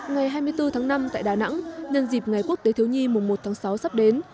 ngày hai mươi bốn tháng năm tại đà nẵng nhân dịp ngày quốc tế thiếu nhi mùng một tháng sáu sắp đến